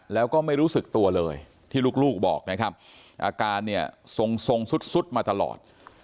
แล้วก็ไม่รู้สึกตัวเลยที่ลูกบอกนะครับอาการเนี่ยทรงทรงสุดมาตลอด